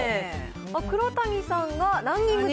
黒谷さんがランニングと。